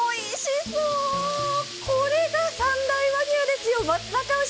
そー、これが三大和牛ですよ、松阪牛。